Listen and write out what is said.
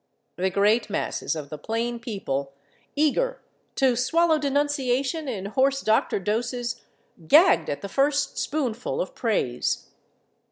The great masses of the plain people, eager to swallow denunciation in horse doctor doses, gagged at the first spoonful of praise.